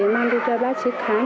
mang đi cho bác chí khám